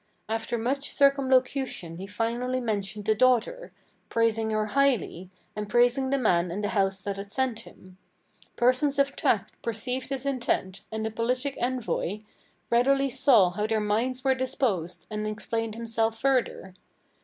After much circumlocution he finally mentioned the daughter, Praising her highly; and praising the man and the house that had sent him. Persons of tact perceived his intent, and the politic envoy Readily saw how their minds were disposed, and explained himself further.